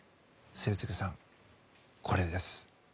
末續さん、これです。